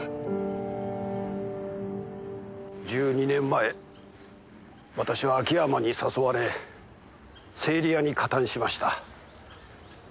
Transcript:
１２年前私は秋山に誘われ整理屋に加担しました。